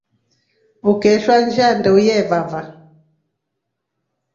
Ukeeshwa nshaa ndeu yevava.